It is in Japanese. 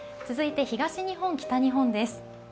続いて東日本・北日本です。